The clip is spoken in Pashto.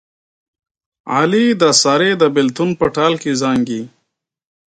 علي د سارې د بلېتون په ټال کې زانګي.